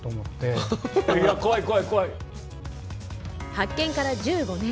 発見から１５年。